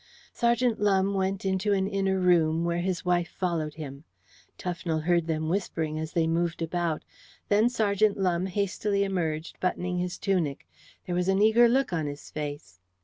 Sergeant Lumbe went into an inner room, where his wife followed him. Tufnell heard them whispering as they moved about. Then Sergeant Lumbe hastily emerged buttoning his tunic. There was an eager look on his face.